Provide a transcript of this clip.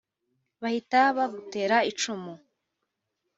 bahita bagutera icumu